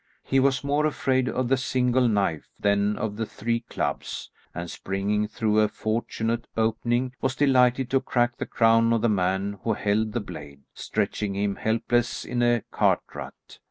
He was more afraid of the single knife than of the three clubs, and springing through a fortunate opening was delighted to crack the crown of the man who held the blade, stretching him helpless in a cart rut.